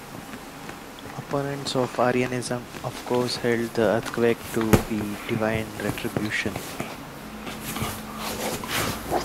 Opponents of Arianism of course held the earthquake to be divine retribution.